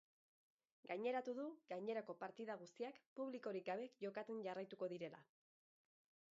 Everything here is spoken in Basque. Gaineratu du, gainerako partida guztiak publikorik gabe jokatzen jarraituko direla.